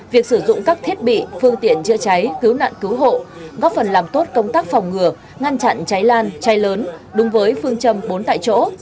việc sử dụng các thiết bị phương tiện chữa cháy cứu nạn cứu hộ góp phần làm tốt công tác phòng ngừa ngăn chặn cháy lan cháy lớn đúng với phương châm bốn tại chỗ